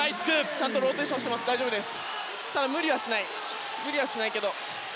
ちゃんとローテーションしてるから大丈夫です。